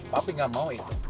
papi gak mau itu